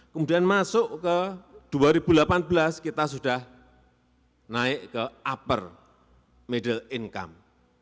kemudian masuk ke dua ribu delapan belas kita sudah naik ke upper middle income